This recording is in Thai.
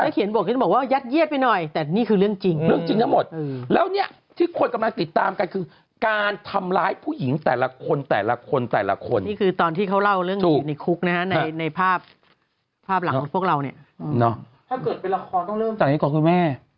ถ้าเกิดเป็นละครต้องเริ่มจากไหนก่อนคือแม่